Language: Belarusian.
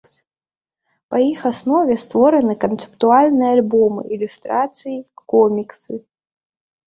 Па іх аснове створаны канцэптуальныя альбомы, ілюстрацыі, коміксы.